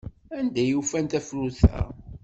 Anda ay ufan tafrut-a?